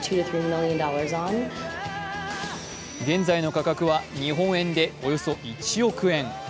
現在の価格は日本円でおよそ１億円。